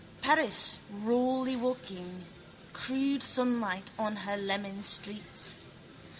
Paris rawly waking, crude sunlight on her lemon streets.